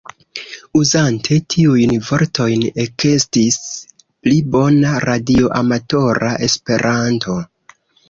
Uzante tiujn vortojn ekestis pli bona radioamatora Esperanto.